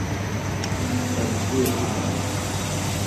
Sa visée est réglable.